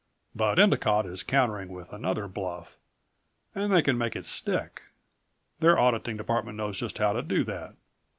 But Endicott is countering with another bluff and they can make it stick. Their auditing department knows just how to do that.